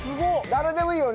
誰でもいいよ